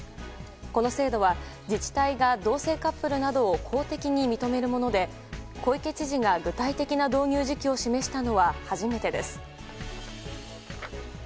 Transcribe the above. この制度は自治体が同性カップルなどを公的に認めるもので小池知事が具体的な導入時期を示したのは初めてです。